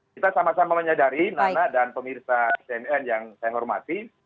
kita sama sama menyadari nana dan pemirsa cnn yang saya hormati